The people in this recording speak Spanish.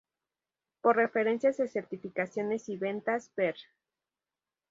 Por referencias de certificaciones y ventas, ver